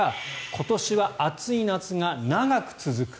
今年は暑い夏が長く続く。